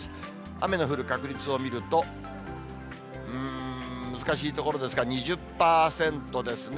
雨の降る確率を見ると、うーん、難しいところですが、２０％ですね。